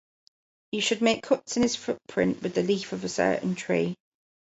You should make cuts in his footprint with the leaf of a certain tree.